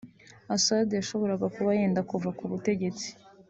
Assad yashoboraga kuba yenda kuva ku butegetsi